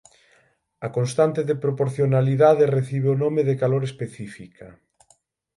A constante de proporcionalidade recibe o nome de calor específica.